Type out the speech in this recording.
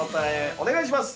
お願いします。